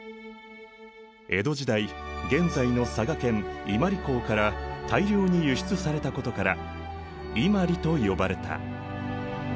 江戸時代現在の佐賀県伊万里港から大量に輸出されたことから「Ｉｍａｒｉ」と呼ばれた。